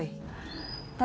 tati nggak punya duit mak